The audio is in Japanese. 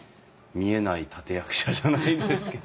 見えない立て役者じゃないですけど。